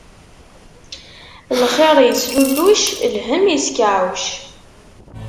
Lxiṛ islulluc, lhemm iskeɛɛuc.